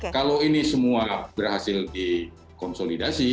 kalau ini semua berhasil dikonsolidasi